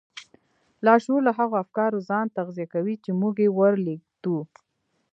لاشعور له هغو افکارو ځان تغذيه کوي چې موږ يې ور لېږدوو.